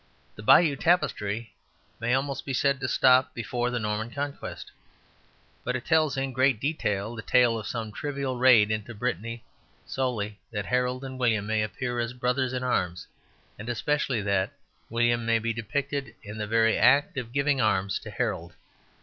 The Bayeux Tapestry may almost be said to stop before the Norman Conquest. But it tells in great detail the tale of some trivial raid into Brittany solely that Harold and William may appear as brothers in arms; and especially that William may be depicted in the very act of giving arms to Harold.